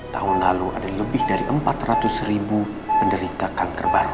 tahun lalu ada lebih dari empat ratus ribu penderita kanker baru